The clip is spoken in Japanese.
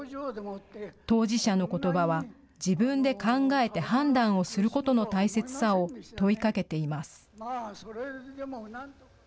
当事者のことばは自分で考えて判断をすることの大切さを問いかけています。